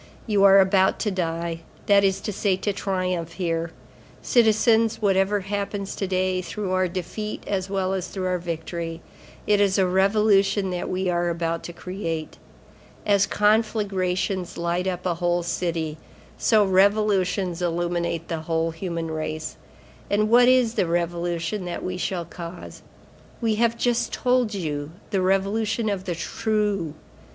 You are about to die, that is to say to triumph, here. Citizens, whatever happens to day, through our defeat as well as through our victory, it is a revolution that we are about to create. As conflagrations light up a whole city, so revolutions illuminate the whole human race. And what is the revolution that we shall cause? I have just told you, the Revolution of the True.